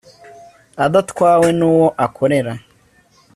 adatwawe n uwo akorera